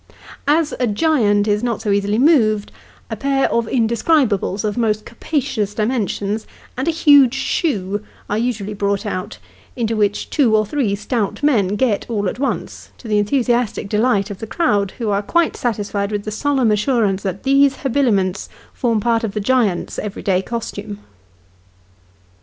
As a giant is not so easily moved, a pair of iudescribables of most capacious dimensions, and a huge shoe, are usually brought out, into which two or three stout men get all at once, to the enthusiastic delight of the crowd, who are quite satisfied with the solemn assurance that these habiliments form part of the giant's everyday costume.